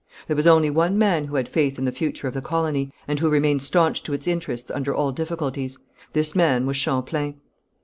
There was only one man who had faith in the future of the colony, and who remained staunch to its interests under all difficulties; this man was Champlain.